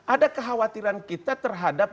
ada kekhawatiran kita terhadap